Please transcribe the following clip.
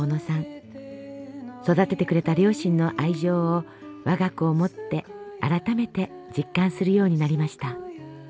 育ててくれた両親の愛情を我が子を持って改めて実感するようになりました。